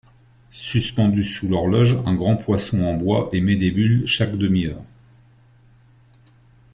Suspendu sous l'horloge, un grand poison en bois émet des bulles chaque demi-heure.